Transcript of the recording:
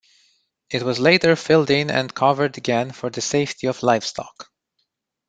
It was later filled in and covered again, for the safety of livestock.